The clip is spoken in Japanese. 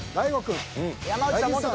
山内さん